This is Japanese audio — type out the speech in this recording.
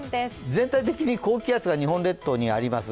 全体的に高気圧が日本列島にあります。